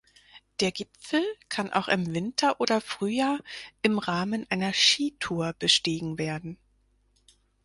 Der Gipfel kann auch im Winter oder Frühjahr im Rahmen einer Skitour bestiegen werden.